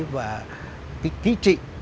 và cái kí trị